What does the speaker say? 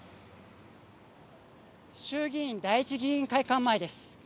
衆議院第一議員会館前です。